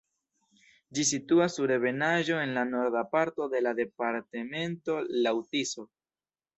Ĝi situas sur ebenaĵo en la norda parto de la departemento laŭ Tiso.